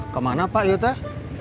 kemana pak ya teh